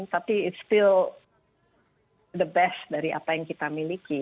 tapi ini masih terbaik dari apa yang kita miliki